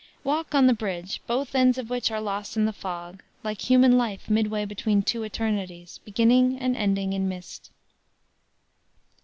"Walk on the bridge, both ends of which are lost in the fog, like human life midway between two eternities; beginning and ending in mist."